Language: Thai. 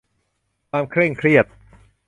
ความเคร่งเครียด